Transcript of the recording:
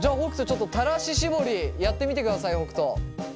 ちょっと垂らし絞りやってみてください北斗。